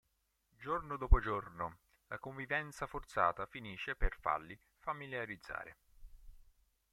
Giorno dopo giorno, la convivenza forzata finisce per farli familiarizzare.